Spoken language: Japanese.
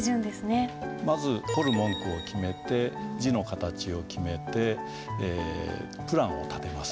まず彫る文句を決めて字の形を決めてプランを立てます。